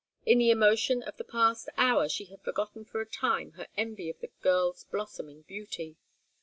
In the emotion of the past hour she had forgotten for a time her envy of the girl's blossoming beauty.